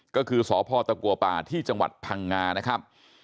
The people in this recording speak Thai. ก็คือสพตะกัวป่าที่จังหวัดพังงานะครับ